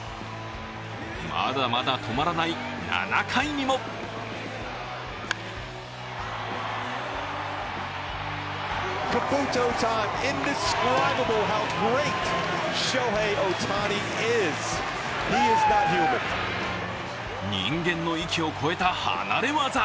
まだまだ止まらない７回にも人間の域を超えた離れ業。